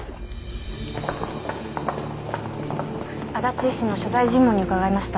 足達医師の所在尋問に伺いました。